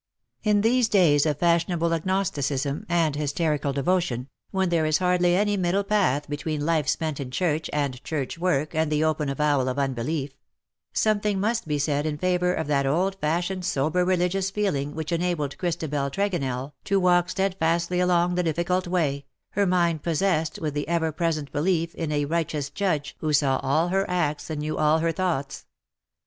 ^^ In these days of fashionable agnosticism and hysterical devotion — when there is hardly any middle path between life spent in church and church work and the open avowal of unbelief — something must be said in favour of that old fashioned sober religious feeling which enabled Christabel Tregonell to walk steadfastly along the difficult way, her mind possessed with the ever present belief in a Kighteous Judge who saw all her acts and knew all her thoughts.